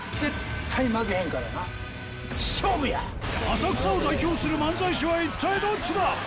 浅草を代表する漫才師は一体どっちだ？